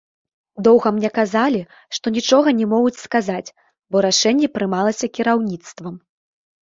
Доўга мне казалі, што нічога не могуць сказаць, бо рашэнне прымалася кіраўніцтвам.